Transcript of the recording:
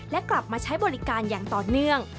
และกลับมาใช้บริการอย่างต่อเนื่อง